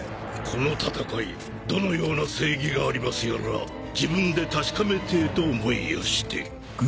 この戦いどのような正義がありますやら自分で確かめてえと思いやして。